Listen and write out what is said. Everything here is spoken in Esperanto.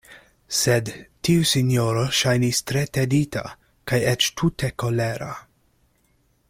Sed tiu sinjoro ŝajnis tre tedita, kaj eĉ tute kolera.